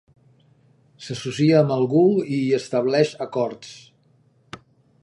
S'associa amb algú i hi estableix acords.